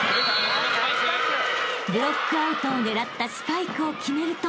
［ブロックアウトを狙ったスパイクを決めると］